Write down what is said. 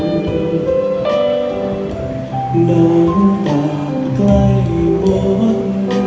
น้ำตาลใกล้หมด